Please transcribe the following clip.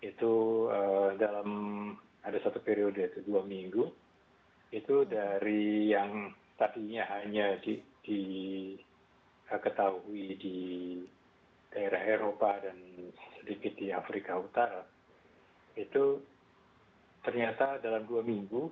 jadi itu dalam ada satu periode itu dua minggu itu dari yang tadinya hanya diketahui di daerah eropa dan sedikit di afrika utara itu ternyata dalam dua minggu